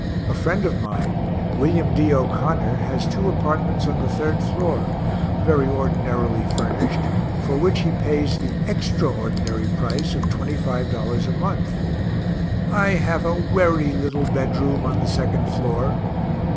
A friend of mine, William D. O'Connor, has two apartments on the 3rd floor, very ordinarily furnished, for which he pays the _extra_ordinary price of $25 a month. I have a werry little bedroom on the 2nd floor.